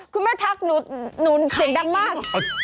คุณแม่ทักหนูเสียงดังมาก